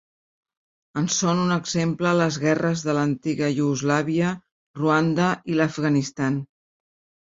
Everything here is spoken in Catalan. En són un exemple les guerres de l'antiga Iugoslàvia, Ruanda i l'Afganistan.